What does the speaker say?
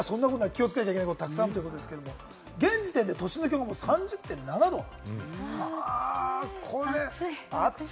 気をつけなきゃいけないこと、たくさんあるんですが、現時点で都心の気温３０．７度、これ暑い。